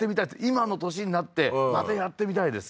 今の年になってまたやってみたいです